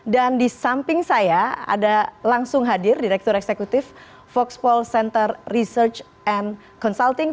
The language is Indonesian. dan di samping saya ada langsung hadir direktur eksekutif voxpol center research and consulting